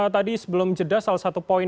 tadi sebelum jeda salah satu poin